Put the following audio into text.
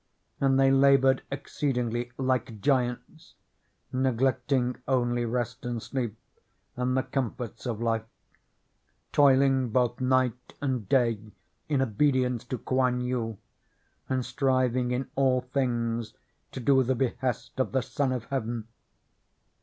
And they labored exceedingly, like giants, — neglecting only rest and 139 CHINA sleep and the comforts of life; toiling both night and day in obedience to Kouan Yu, and striving in all things to do the behest of the Son of Heaven.